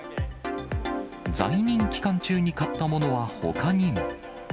在任期間中に買ったものはほかにも。